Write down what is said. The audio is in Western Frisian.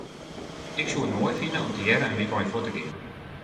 Ik soe it moai fine om tegearre in wykein fuort te gean.